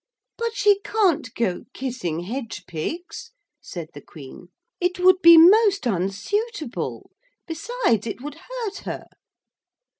'But she can't go kissing hedge pigs,' said the Queen, 'it would be most unsuitable. Besides it would hurt her.'